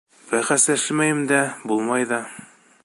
Бәхәсләшмәйем дә, булмай ҙа.